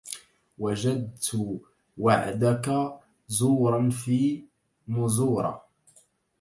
وجدت وعدك زورا في مزورة